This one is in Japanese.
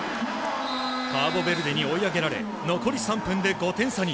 カーボベルデに追い上げられ残り３分で５点差に。